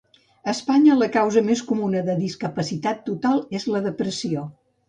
A Espanya, la causa més comuna de discapacitat total és la depressió.